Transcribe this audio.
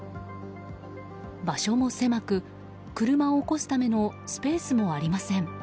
場所も狭く、車を起こすためのスペースもありません。